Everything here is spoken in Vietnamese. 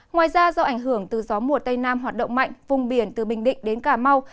ngoài ra do ảnh hưởng từ gió mùa tây nam hoạt động mạnh vùng biển từ bình định đến cà mau